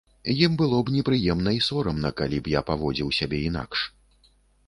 Ім было б непрыемна і сорамна, калі б я паводзіў сябе інакш.